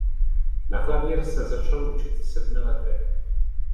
Na klavír se začal učit v sedmi letech.